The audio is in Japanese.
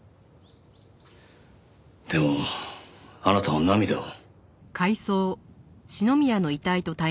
でもあなたは涙を。